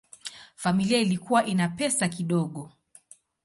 Familia ilikuwa ina pesa kidogo.